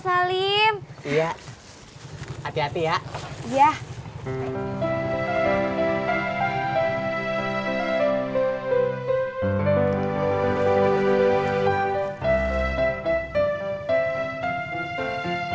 kalau gitu bawa deh nih buat di kantor